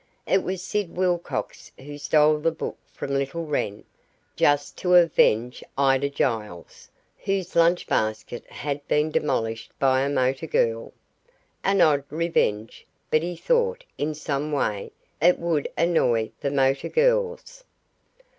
It was Sid Wilcox who stole the book from little Wren just to avenge Ida Giles, whose lunch basket had been demolished by a motor girl. An odd revenge, but he thought, in some way, it would annoy the motor girls.